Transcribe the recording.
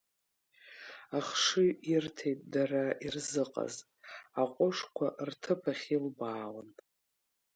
Ахшыҩ ирҭеит дара ирзыҟаз, аҟәышқәа рҭыԥахь илбаауан.